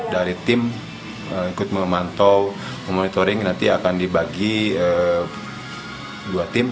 dari tim ikut memantau memonitoring nanti akan dibagi dua tim